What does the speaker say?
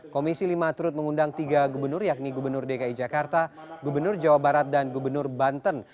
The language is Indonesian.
komisi lima turut mengundang tiga gubernur yakni gubernur dki jakarta gubernur jawa barat dan gubernur banten